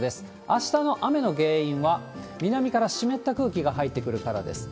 あしたの雨の原因は、南から湿った空気が入ってくるからです。